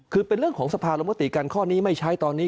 คือเป็นเรื่องของสภาลงมติกันข้อนี้ไม่ใช้ตอนนี้